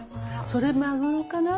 それマグロかな？